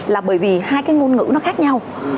là bởi vì hai cái ngôn ngữ nó khác nhau